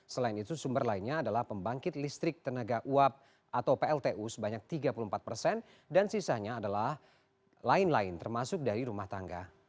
selain itu sumber lainnya adalah pembangkit listrik tenaga uap atau pltu sebanyak tiga puluh empat persen dan sisanya adalah lain lain termasuk dari rumah tangga